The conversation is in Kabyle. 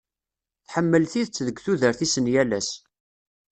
Tḥemmel tidet deg tudert-is n yal ass.